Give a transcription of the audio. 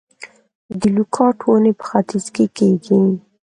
د لوکاټ ونې په ختیځ کې کیږي؟